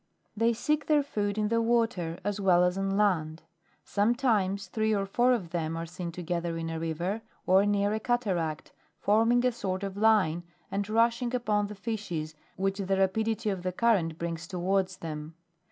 They seek their food in the water as well as on land. Sometimes three or four of them are seen together in a river, or near a cataract, forming a sort of line and rushing upon the fishes which the rapidity of the current brings towards them.